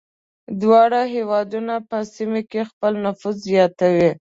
دواړه هېوادونه په سیمه کې خپل نفوذ زیاتوي.